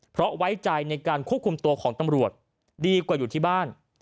เพราะไว้ใจในการควบคุมตัวของตำรวจดีกว่าอยู่ที่บ้าน